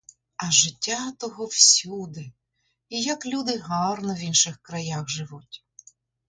А життя того всюди — і як люди гарно в інших краях живуть.